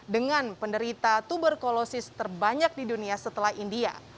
dengan penderita tuberkulosis terbanyak di dunia setelah india